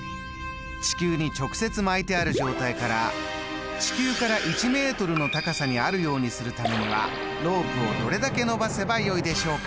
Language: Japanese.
地球に直接巻いてある状態から地球から１ｍの高さにあるようにするためにはロープをどれだけ伸ばせばよいでしょうか。